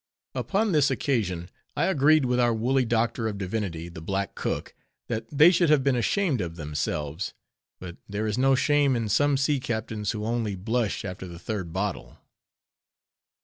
Upon this occasion, I agreed with our woolly Doctor of Divinity, the black cook, that they should have been ashamed of themselves; but there is no shame in some sea captains, who only blush after the third bottle.